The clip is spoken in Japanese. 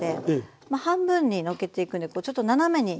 まあ半分にのっけていくんでこうちょっと斜めに。